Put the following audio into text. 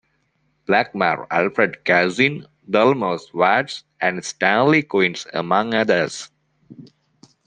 Blackmur, Alfred Kazin, Delmore Schwartz, and Stanley Kunitz among others.